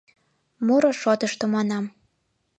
— Муро шотышто, манам.